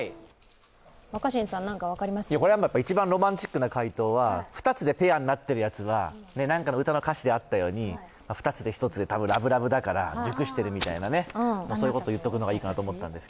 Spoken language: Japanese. これは一番ロマンチックな回答は２つでペアになってるやつは何かの歌詞であったように２つで１つでラブラブだから熟しているみたいな、そういうこと言っておくのがいいかなと思います。